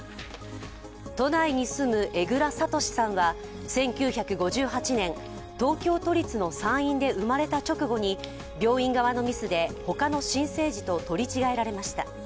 都内に住む江藏智さんは１９５８年、東京都立の産院で生まれた直後に病院側のミスで、ほかの新生児と取り違えられました。